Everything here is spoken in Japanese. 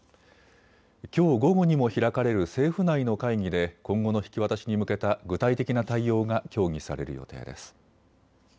きょう午後にも開かれる政府内の会議で今後の引き渡しに向けた具体的な対応が協議される予定です。